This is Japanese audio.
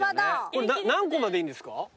これ何個までいいんですか？